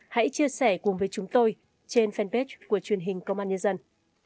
hãy chia sẻ cùng với chúng tôi trên fanpage của truyền hình công an nhân dân